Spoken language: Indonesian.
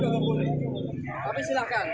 tidak boleh tapi silakan